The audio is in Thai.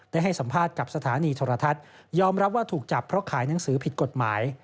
ให้สัมภาษณ์กับสถานีโทรทัศน์ยอมรับว่าถูกจับเพราะขายหนังสือผิดกฎหมาย